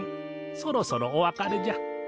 そろそろお別れじゃ。